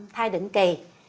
thai định kỳ